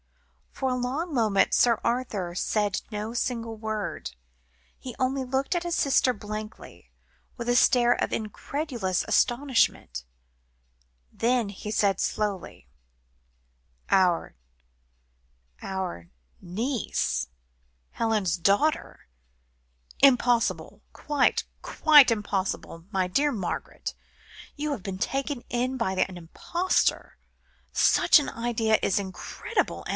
For a long moment Sir Arthur said no single word; he only looked at his sister blankly, with a stare of incredulous astonishment. Then he said slowly: "Our our niece? Helen's daughter? Impossible quite, quite impossible. My dear Margaret you have been taken in by an impostor. Such an idea is incredible.